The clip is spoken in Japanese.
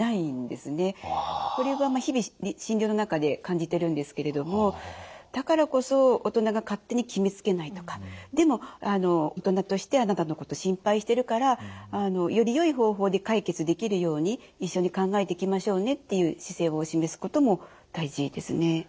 これは日々診療の中で感じてるんですけれどもだからこそ大人が勝手に決めつけないとかでも大人としてあなたのこと心配してるからよりよい方法で解決できるように一緒に考えていきましょうねっていう姿勢を示すことも大事ですね。